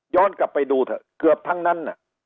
ย้อนกลับไปดูเกือบทั้งนั้น